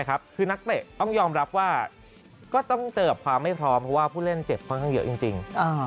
คือนักเตะต้องยอมรับว่าก็ต้องเจอกับความไม่พร้อมเพราะว่าผู้เล่นเจ็บค่อนข้างเยอะจริง